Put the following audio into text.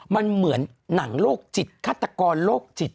มันเหมือนหนังโรคจิตฆาตกรโรคจิต